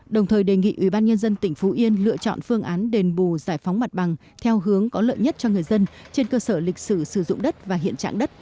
đồng thời đề nghị ubnd tỉnh phú yên lựa chọn phương án đền bù giải phóng mặt bằng theo hướng có lợi nhất cho người dân trên cơ sở lịch sử sử dụng đất và hiện trạng đất